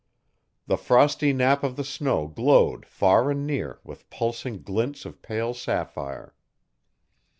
The frosty nap of the snow glowed far and near with pulsing glints of pale sapphire.